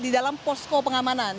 dalam posko pengamanan